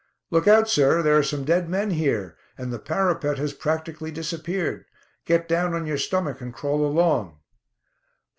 "Look out, sir! There are some dead men here, and the parapet has practically disappeared. Get down on your stomach and crawl along."